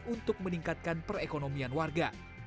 untuk meningkatkan perekonomian warga